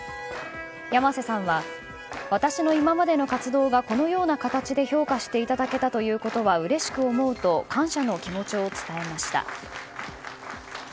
山瀬さんは、私の今までの活動がこのような形で評価していただけたということはうれしく思うと感謝の気持ちを伝えました。